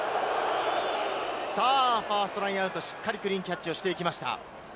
ファーストラインアウト、しっかりクリーンキャッチをしていきました。